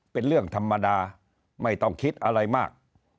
เป็นเรื่องธรรมดาไม่ต้องคิดอะไรมาก